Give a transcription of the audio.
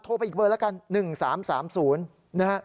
โทรไปอีกเบอร์ละกัน๑๓๓๐